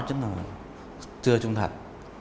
chính là chưa trung thật